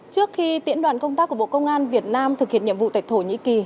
trước khi tiễn đoàn công tác của bộ công an việt nam thực hiện nhiệm vụ tại thổ nhĩ kỳ